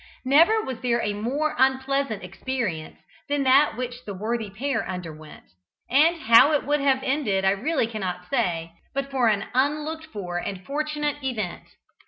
Never was there a more unpleasant experience than that which the worthy pair underwent, and how it would have ended I really cannot say, but for an unlooked for and fortunate event.